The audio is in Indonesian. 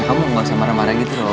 kamu gak usah marah marah gitu loh